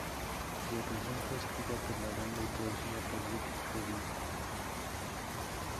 La canción fue escrita por la banda y producida por Rick Rubin.